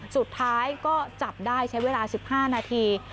สุดท้ายก็จับได้ใช้เวลา๑๕นาที